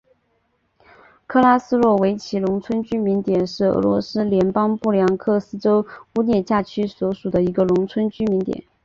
克拉斯诺维奇农村居民点是俄罗斯联邦布良斯克州乌涅恰区所属的一个农村居民点。